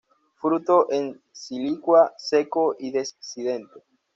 Fruto en silicua, seco y dehiscente.